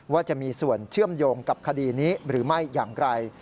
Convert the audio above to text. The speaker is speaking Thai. ว่าจะมีส่วนเชื่อมโยงกับคดีนี้หรือไม่อย่างไร